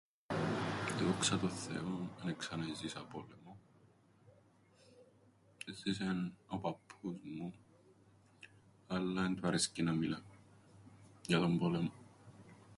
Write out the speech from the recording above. Δόξα τον Θεόν, εν εξαναέζησα πόλεμον, έζησεν ο παππούς μου, αλλά εν του αρέσκει να μιλά για τον πόλεμον.